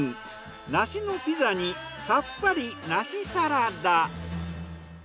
梨のピザにさっぱり梨サラダ。